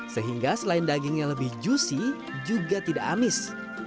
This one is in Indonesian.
sehingga selain dagingnya lebih juicy juga tidak amis